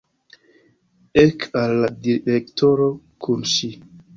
Ek al la direktoro kun ŝi!